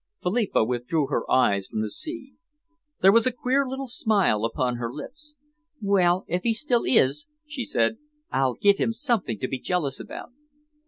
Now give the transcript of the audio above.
Philippa withdrew her eyes from the sea. There was a queer little smile upon her lips. "Well, if he still is," she said, "I'll give him something to be jealous about."